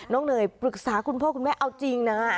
เนยปรึกษาคุณพ่อคุณแม่เอาจริงนะ